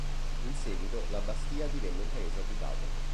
In seguito la bastia divenne un paese abitato.